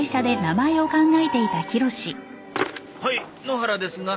はい野原ですが。